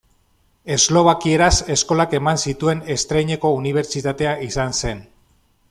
Eslovakieraz eskolak eman zituen estreineko unibertsitatea izan zen.